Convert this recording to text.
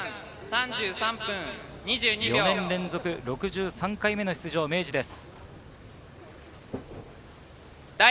４年連続６３回目の出場、明治です。